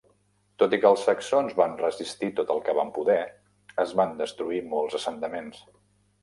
Tot i que els saxons van resistir tot el que van poder, es van destruir molts assentaments.